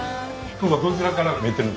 今日はどちらから見えてるんですか？